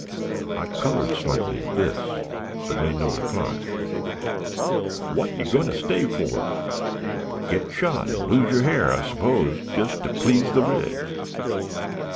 I colored slightly at this, but made no reply. "What yer going to stay fur? Get shot and lose yer ha'r, I s'pose, jist to please the reds."